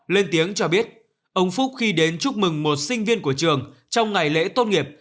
lên tiếng cho biết ông phúc khi đến chúc mừng một sinh viên của trường trong ngày lễ tốt nghiệp